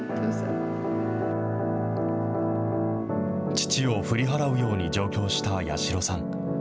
父を振り払うように上京した八代さん。